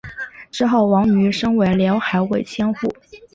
之后王瑜升为辽海卫千户。